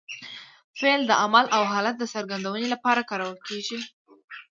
فعل د عمل او حالت د څرګندوني له پاره کارول کېږي.